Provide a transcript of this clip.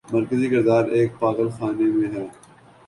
مرکزی کردار ایک پاگل خانے میں ہے۔